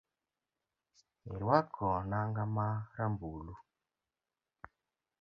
Irwako nanga ma rambulu